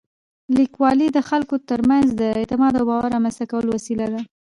لیکوالی د خلکو تر منځ د اعتماد او باور رامنځته کولو وسیله ده.